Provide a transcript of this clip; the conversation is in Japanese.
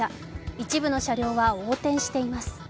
一部の車両は横転しています。